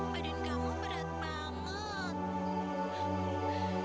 badan kamu berat banget